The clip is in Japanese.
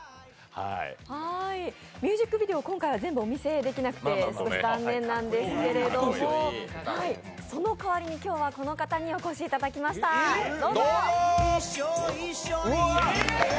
ミュージックビデオ、今回はお見せできなくて残念なんですけど、その代わりに今日はこの方にお越しいただきました、どうぞ。